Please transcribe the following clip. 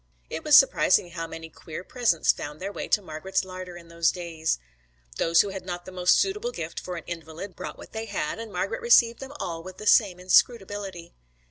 It was surprising how many queer presents found their way to Margret's larder in those days. They who had not the most suitable gift for an invalid brought what they had, and Margret received them all with the same inscrutability.